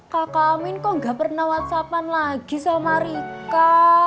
kaka amin kok gak pernah whatsappan lagi sama rika